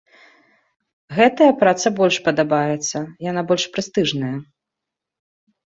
Гэтая праца больш падабаецца, яна больш прэстыжная.